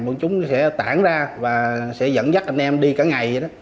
bọn chúng sẽ tản ra và sẽ dẫn dắt anh em đi cả ngày vậy đó